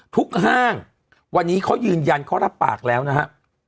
ห้างวันนี้เขายืนยันเขารับปากแล้วนะฮะ